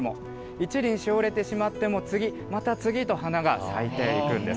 １輪しおれてしまっても、次、また次と、花が咲いていくんです。